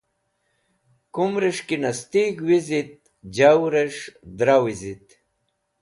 Kumrẽs̃h ki nastig̃h wizit jawrẽs̃h dra wizit.